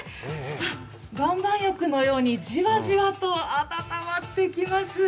岩盤浴のようにじわじわと温まっていきます。